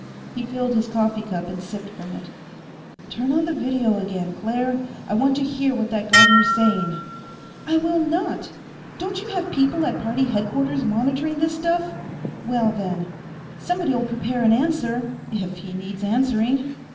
He filled his coffee cup and sipped from it. "Turn on the video again, Claire. I want to hear what that Gardner's saying." "I will not! Don't you have people at party headquarters monitoring this stuff? Well, then. Somebody'll prepare an answer, if he needs answering."